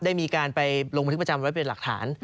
ได้มีการไปลงบันทึกประจำไว้เป็นหลักฐาน